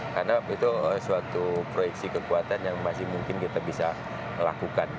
karena itu suatu proyeksi kekuatan yang masih mungkin kita bisa lakukan